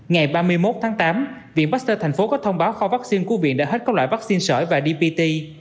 ngày ba mươi một tháng tám viện pasteur tp hcm có thông báo kho vaccine của viện đã hết các loại vaccine sởi và dbt